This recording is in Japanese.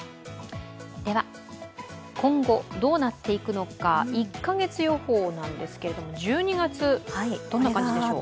では、今後、どうなっていくのか１カ月予報なんですけれども１２月、どんな感じでしょう？